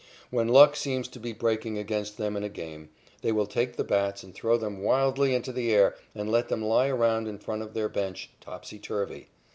When luck seems to be breaking against them in a game, they will take the bats and throw them wildly into the air and let them lie around in front of their bench, topsy turvy.